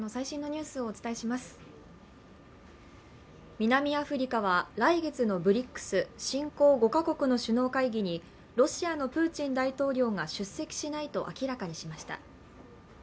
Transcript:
南アフリカは来月のＢＲＩＣＳ＝新興５か国の首脳会議にロシアのプーチン大統領が出席しないと明らかにしました。